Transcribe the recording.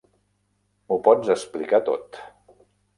M'ho pots explicar tot.